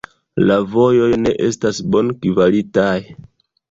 La vojoj ne estas bonkvalitaj.